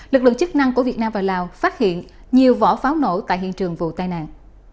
lực lượng chức năng của việt nam và lào phát hiện nhiều vỏ pháo nổ tại hiện trường vụ tai nạn